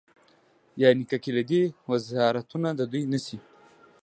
یعنې که کلیدي وزارتونه د دوی نه شي.